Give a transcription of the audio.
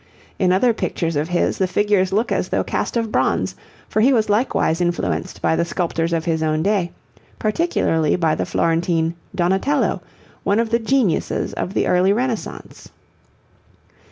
In other pictures of his, the figures look as though cast of bronze, for he was likewise influenced by the sculptors of his own day, particularly by the Florentine Donatello, one of the geniuses of the early Renaissance.